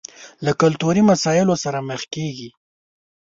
له کلتوري مسايلو سره مخ کېږي.